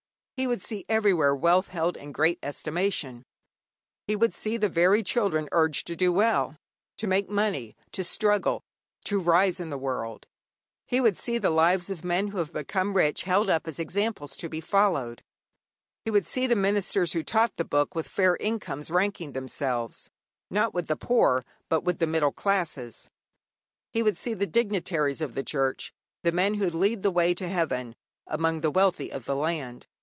He would see everywhere wealth held in great estimation; he would see the very children urged to do well, to make money, to struggle, to rise in the world. He would see the lives of men who have become rich held up as examples to be followed. He would see the ministers who taught the Book with fair incomes ranking themselves, not with the poor, but with the middle classes; he would see the dignitaries of the Church the men who lead the way to heaven among the wealthy of the land.